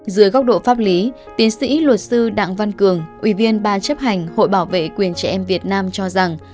dưới góc độ pháp lý tiến sĩ luật sư đặng văn cường ủy viên ban chấp hành hội bảo vệ quyền trẻ em việt nam cho rằng